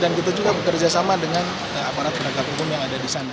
dan kita juga bekerja sama dengan aparat negara negara yang ada di sana